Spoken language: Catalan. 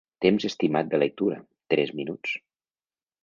Temps estimat de lectura: tres minuts.